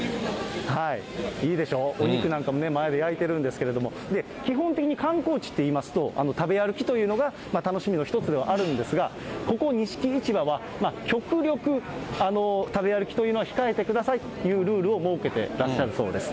いいでしょ、お肉なんかも前で焼いてるんですけど、基本的に観光地っていいますと、食べ歩きというのが楽しみの一つではあるんですが、ここ、錦市場は、極力、食べ歩きというのは控えてくださいというルールを設けてらっしゃるそうです。